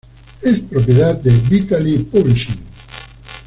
Es propiedad de Vitaly Publishing.